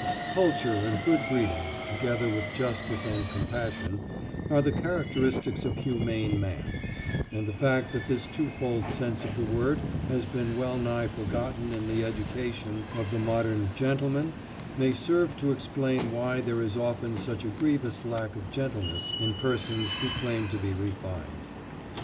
Culture and good breeding, together with justice and compassion, are the characteristics of humane man; and the fact that this twofold sense of the word has been well nigh forgotten in the education of the modern "gentleman" may serve to explain why there is often such a grievious lack of gentleness in persons who claim to be refined.